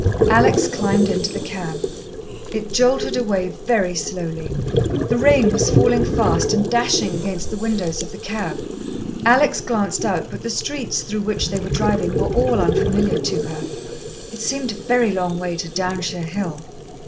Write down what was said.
Alex climbed into the cab. It jolted away very slowly. The rain was falling fast, and dashing against the windows of the cab. Alex glanced out, but the streets through which they were driving were all unfamiliar to her. It seemed a very long way to Downshire Hill.